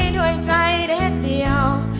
ด้วยใจแดดเดียว